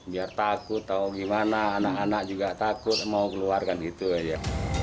biar takut atau gimana anak anak juga takut mau keluarkan gitu aja